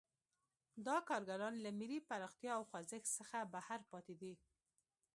دا کارګران له ملي پراختیا او خوځښت څخه بهر پاتې دي.